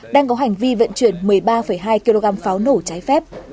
đang có hành vi vận chuyển một mươi ba hai kg pháo nổ trái phép